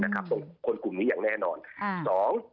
ของคนกลุ่มนี้อย่างแน่นอน